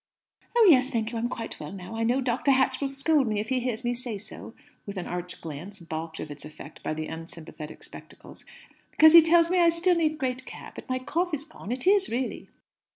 "Oh yes, thank you, I'm quite well now. I know Dr. Hatch will scold me if he hears me say so" (with an arch glance baulked of its effect by the unsympathetic spectacles) "because he tells me I still need great care. But my cough is gone. It is, really!"